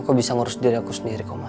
kau bisa ngurus diriku sendiri komah